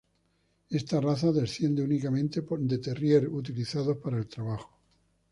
Esta raza desciende únicamente de terrier utilizados para el trabajo.